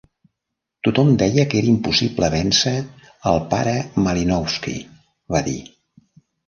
"Tothom deia que era impossible vèncer el Pare Malinowski", va dir.